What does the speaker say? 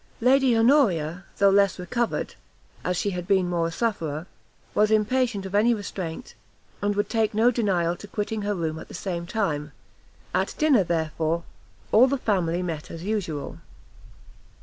Lady Honoria, though less recovered, as she had been more a sufferer, was impatient of any restraint, and would take no denial to quitting her room at the same time; at dinner, therefore, all the family met at usual.